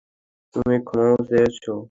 তুমি ক্ষমাও চেয়েছো।